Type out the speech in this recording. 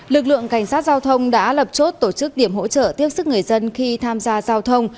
lực lượng cảnh sát giao thông đã lập chốt tổ chức điểm hỗ trợ tiếp sức người dân khi tham gia giao thông